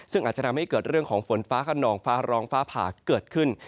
ซึ่งอาจจะทำให้เกิดเรื่องของฝนฟ้าขนองฟ้าร้องฟ้าผ่าเกิดขึ้น